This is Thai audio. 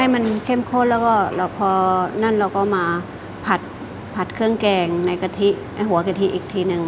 ให้มันเข้มข้นแล้วพอนั่นเราก็มาผัดเครื่องแกงในหัวกะทิอีกทีนึง